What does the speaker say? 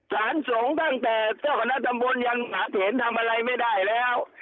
สารสงฆ์ตั้งแต่เจ้าคณะตำบลยังหาเถนทำอะไรไม่ได้แล้ว